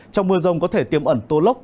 trong mưa rông có thể tiêm ẩn tố lốc